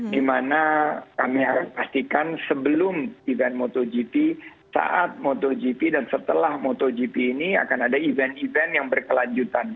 di mana kami harus pastikan sebelum event motogp saat motogp dan setelah motogp ini akan ada event event yang berkelanjutan